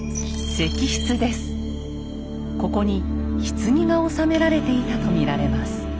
ここにひつぎが納められていたと見られます。